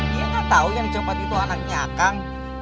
dia gak tahu yang dicopet itu anaknya kak